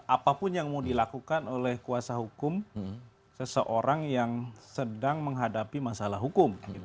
apapun yang mau dilakukan oleh kuasa hukum seseorang yang sedang menghadapi masalah hukum